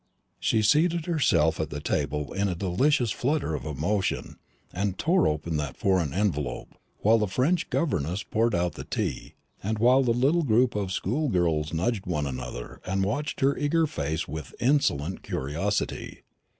She seated herself at the table in a delicious flutter of emotion, and tore open that foreign envelope, while the French governess poured out the tea, and while the little group of schoolgirls nudged one another and watched her eager face with insolent curiosity.